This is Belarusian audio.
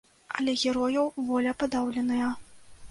Але герояў воля падаўленая.